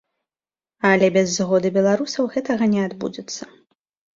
Але без згоды беларусаў гэтага не адбудзецца.